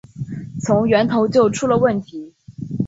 从源头就出了问题